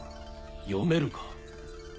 読めるか？